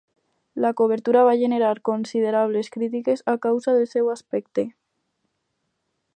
La cobertura va generar considerables crítiques a causa del seu aspecte.